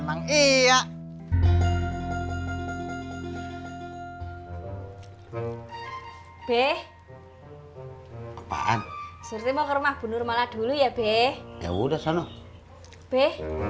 hai beb apaan seperti mau ke rumah bunuh malah dulu ya beb ya udah sana beb